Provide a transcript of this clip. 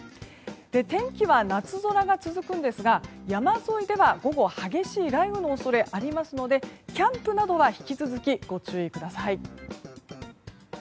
天気は夏空が続くんですが山沿いでは午後激しい雷雨の恐れがありますのでキャンプなどは引き続きご注意ください。